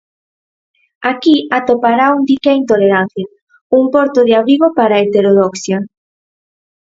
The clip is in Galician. Aquí atopará un dique á intolerancia, un porto de abrigo para a heterodoxia.